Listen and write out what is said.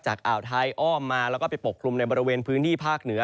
อ่าวไทยอ้อมมาแล้วก็ไปปกคลุมในบริเวณพื้นที่ภาคเหนือ